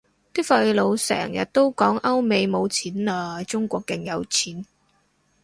啲廢老成日都講歐美冇錢喇，中國勁有錢